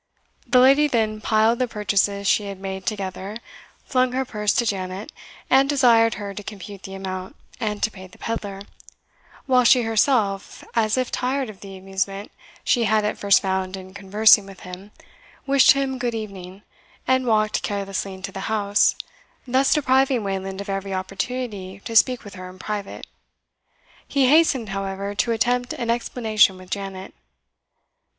The lady then piled the purchases she had made together, flung her purse to Janet, and desired her to compute the amount, and to pay the pedlar; while she herself, as if tired of the amusement she at first found in conversing with him, wished him good evening, and walked carelessly into the house, thus depriving Wayland of every opportunity to speak with her in private. He hastened, however, to attempt an explanation with Janet.